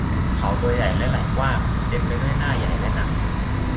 เขาตัวใหญ่และไหล่กว้าง เต็มไปด้วยหน้าใหญ่และหนัก